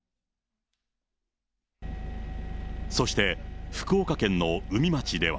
そして福岡県の宇美町では。